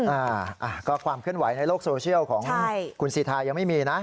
อ่าก็ความเคลื่อนไหวในโลกโซเชียลของคุณสิทายังไม่มีนะ